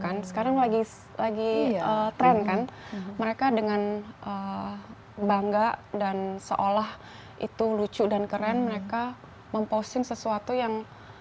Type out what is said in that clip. karena sekarang lagi trend kan mereka dengan bangga dan seolah itu lucu dan keren mereka memposting sesuatu yang